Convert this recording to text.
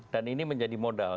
dan ini menjadi modal